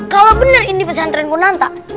bener bener ini pesantren kunanta